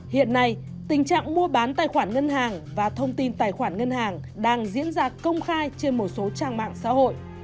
hiện nay tình trạng mua bán tài khoản ngân hàng và thông tin tài khoản ngân hàng đang diễn ra công khai trên một số trang mạng xã hội